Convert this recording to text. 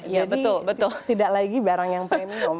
jadi tidak lagi barang yang premium